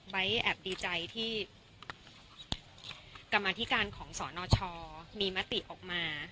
แอบดีใจที่กรรมาธิการของสนชมีมติออกมา